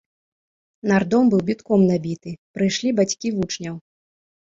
Нардом быў бітком набіты, прыйшлі бацькі вучняў.